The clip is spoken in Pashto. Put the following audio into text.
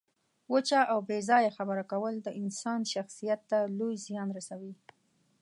وچه او بې ځایه خبره کول د انسان شخصیت ته لوی زیان رسوي.